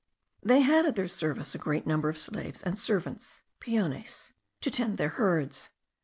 They had at their service a great number of slaves and servants (peones), to tend their herds.